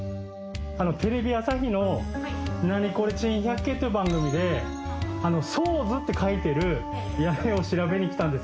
テレビ朝日の『ナニコレ珍百景』という番組で「ソーズ」って書いてる屋根を調べに来たんですけど。